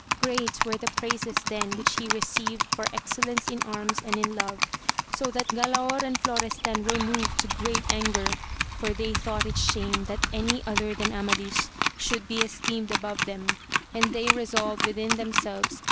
Great were the praises then which he received for exceUence in arms and in love, so that Galaor and Florestan were moved to great anger, for they thought it shame that any other than Amadis should be esteemed above them, and they resolved within themselves th?